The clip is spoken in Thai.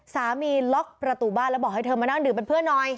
ล็อกประตูบ้านแล้วบอกให้เธอมานั่งดื่มเป็นเพื่อนหน่อย